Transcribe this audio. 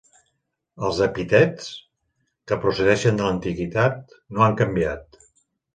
Els epítets, que procedeixen de l'antiguitat, no han canviat.